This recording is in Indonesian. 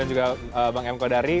dan juga bang m kodari